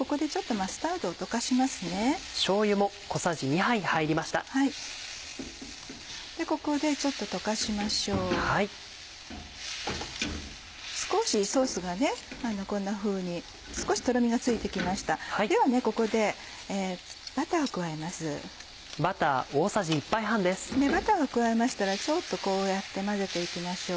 バターを加えましたらこうやって混ぜて行きましょう。